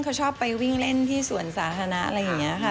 เขาชอบไปวิ่งเล่นที่สวนสาธารณะอะไรอย่างนี้ค่ะ